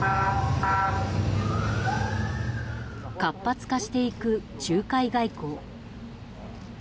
活発化していく仲介外交。